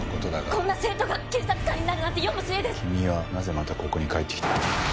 こんな生徒が警察官になるなんて君はなぜまたここに帰ってきた？